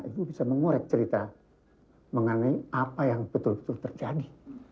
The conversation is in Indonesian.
itu bisa mengorek cerita mengenai apa yang betul betul terjadi